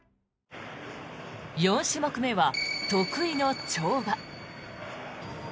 ４種目目は得意の跳馬。